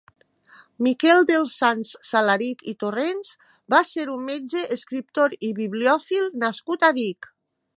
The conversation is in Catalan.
Miquel dels Sants Salarich i Torrents va ser un metge, escriptor i bibliòfil nascut a Vic.